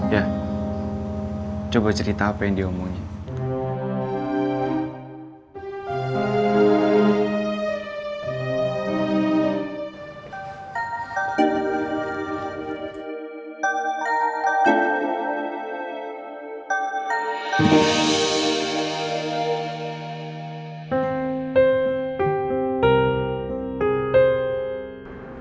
ya coba cerita apa yang dia omongin